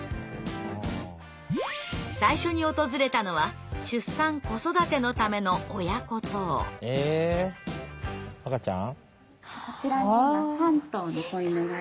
最初に訪れたのは出産・子育てのためのえ赤ちゃん？